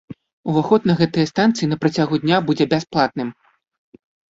Уваход на гэтыя станцыі на працягу дня будзе бясплатным.